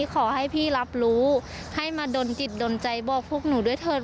ขอให้พี่รับรู้ให้มาดนจิตดนใจบอกพวกหนูด้วยเถิด